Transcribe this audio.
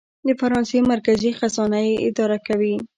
د فرانسې مرکزي خزانه یې اداره کوي.